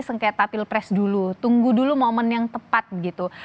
sengketa pilpres dulu tunggu dulu momen yang tepat gitu